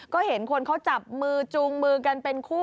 ก็เห็นคนเขาจับมือจูงมือกันเป็นคู่